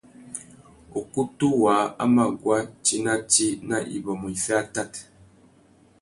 Ukutu waā a mà guá tsi nà tsi nà ibômô iffê atát.